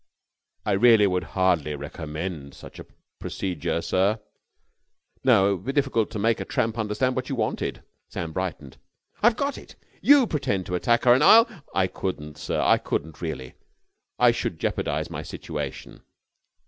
"I really would hardly recommend such a procedure, sir." "No, it would be difficult to make a tramp understand what you wanted." Sam brightened. "I've got it! You pretend to attack her, and I'll...." "I couldn't, sir! I couldn't really! I should jeopardise my situation."